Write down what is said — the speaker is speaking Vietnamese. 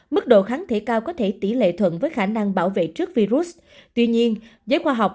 mức độ kháng thể cao có thể tỷ lệ thuận với khả năng bảo vệ trước virus tuy nhiên giới khoa học